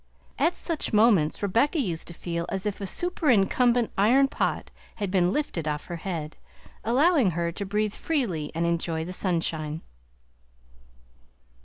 At such moments Rebecca used to feel as if a superincumbent iron pot had been lifted off her head, allowing her to breath freely and enjoy the sunshine.